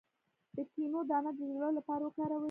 د کینو دانه د زړه لپاره وکاروئ